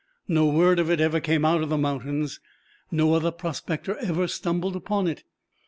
No word of it ever came out of the mountains; no other prospector ever stumbled upon it.